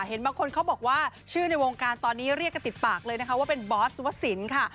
เห็นบางคนเขาบอกว่าชื่อในวงการตอนนี้เรียกกันติดปากเลยนะคะว่าเป็นบอสวสินค่ะ